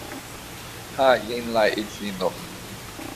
Ha! Jen la edzino.